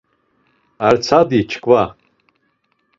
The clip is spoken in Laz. Ar tsadi çkva.